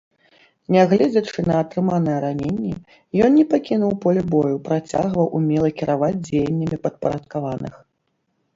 Нягледзячы на атрыманае раненне, ён не пакінуў поле бою, працягваў умела кіраваць дзеяннямі падпарадкаваных.